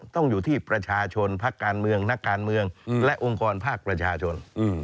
ต้องอยู่ที่ประชาชนภาคการเมืองนักการเมืองและองค์กรภาคประชาชน